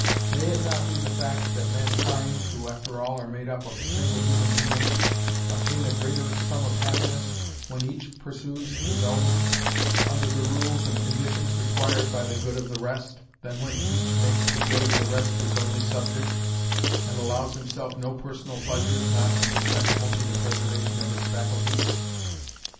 May it not be the fact that mankind, who after all are made up of single human beings, obtain a greater sum of happiness when each pursues his own, under the rules and conditions required by the good of the rest, than when each makes the good of the rest his only subject, and allows himself no personal pleasures not indispensable to the preservation of his faculties?